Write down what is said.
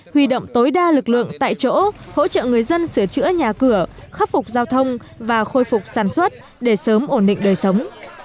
huy động tối đa lực lượng tại chỗ hỗ trợ người dân sửa chữa nhà cửa khắc phục giao thông và khôi phục sản xuất để sớm ổn định đời sống